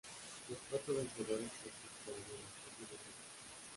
Los cuatro vencedores clasificarán a la fase de grupos.